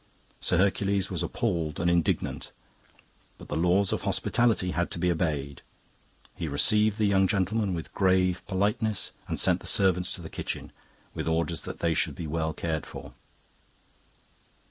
Sir Hercules was appalled and indignant, but the laws of hospitality had to be obeyed. He received the young gentlemen with grave politeness and sent the servants to the kitchen, with orders that they should be well cared for.